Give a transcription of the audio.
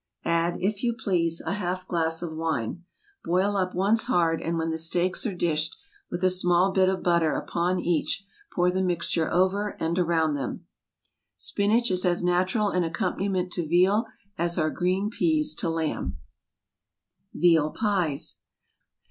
Add, if you please, a half glass of wine. Boil up once hard, and when the steaks are dished, with a small bit of butter upon each, pour the mixture over and around them. Spinach is as natural an accompaniment to veal as are green peas to lamb. VEAL PIES.